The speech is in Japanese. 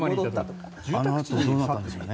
あのあとどうなったんでしょうね。